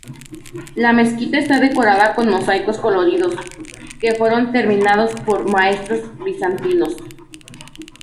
La mezquita está decorada con mosaicos coloridos, que fueron terminados por maestros bizantinos.